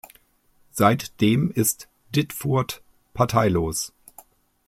Seitdem ist Ditfurth parteilos.